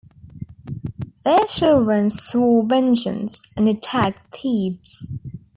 Their children swore vengeance and attacked Thebes.